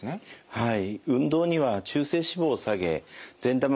はい。